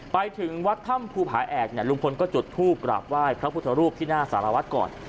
ไปถึงวัดถ้ำภูผาแอกเนี่ยลุงพลก็จุดทูปกราบไหว้พระพุทธรูปที่หน้าสารวัตรก่อน